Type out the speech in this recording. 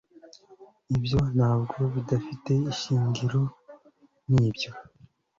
ibyo ntabwo bidafite ishingiro, nibyo